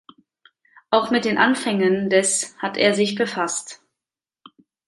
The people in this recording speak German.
Auch mit den Anfängen des hat er sich befasst.